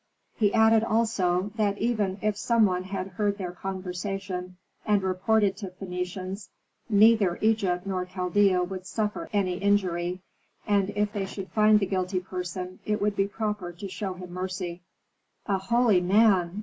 He added, also, that even if some one had heard their conversation, and reported to Phœnicians, neither Egypt nor Chaldea would suffer any injury; and if they should find the guilty person, it would be proper to show him mercy." "A holy man!